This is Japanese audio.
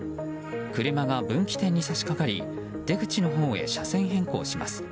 車が分岐点にさしかかり出口のほうへ車線変更します。